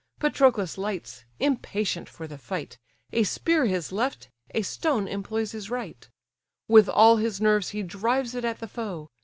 Patroclus lights, impatient for the fight; A spear his left, a stone employs his right: With all his nerves he drives it at the foe.